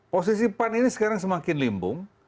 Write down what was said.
posisi pan ini sekarang semakin limbung